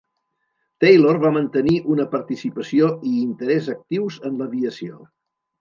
Taylor va mantenir una participació i interès actius en l'aviació.